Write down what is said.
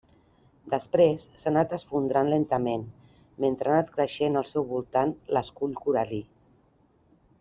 Després s'ha anat esfondrant lentament mentre ha anat creixent al seu voltant l'escull coral·lí.